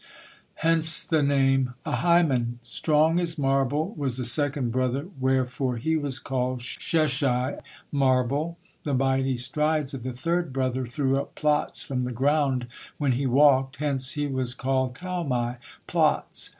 Hence the name Ahiman. Strong as marble was the second brother, wherefore he was called Sheshai, "marble." The mighty strides of the third brother threw up plots from the ground when he walked, hence he was called Talmi, "plots."